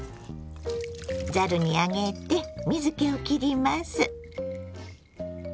ざるに上げて水けをきります。